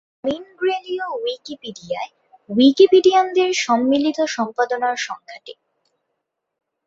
মিনগ্রেলীয় উইকিপিডিয়ায় উইকিপিডিয়ানদের সম্মিলিত সম্পাদনার সংখ্যা টি।